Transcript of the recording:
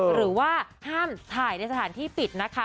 หรือว่าห้ามถ่ายในสถานที่ปิดนะคะ